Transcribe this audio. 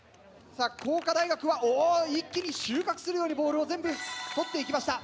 工科大学はお一気に収穫するようにボールを全部取っていきました。